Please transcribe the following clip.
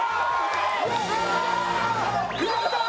やったー！